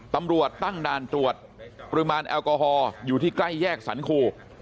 ตำรวจตั้งด่านตรวจปริมาณแอลกอฮอลอยู่ที่ใกล้แยกสรรคู